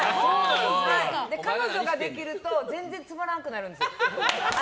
彼女ができると全然つまらんくなるんです。